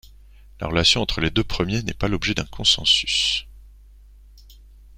La relation entre les deux premiers n'est pas l'objet d'un consensus.